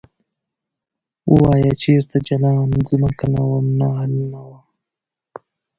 ووایه چرته جلان ځمکه نه وم نال نه وم ؟